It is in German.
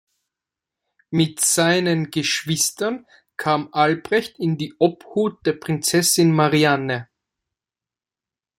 Mit seinen Geschwistern kam Albrecht in die Obhut der Prinzessin Marianne.